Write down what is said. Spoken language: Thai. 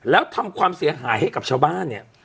แล้วทำความเสียหายให้กับชาวบ้านเนี่ย